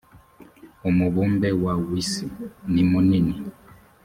umubumbe wa wisi nimunini.